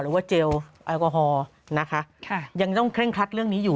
เจลแอลกอฮอล์นะคะยังต้องเคร่งครัดเรื่องนี้อยู่